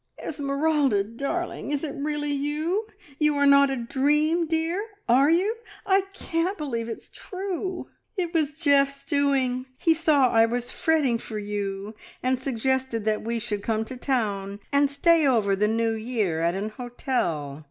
"Esmeralda darling! Is it really you? You are not a dream, dear, are you? I can't believe it's true!" "It was Geoff's doing! He saw I was fretting for you, and suggested that we should come to town and stay over the New Year at an hotel.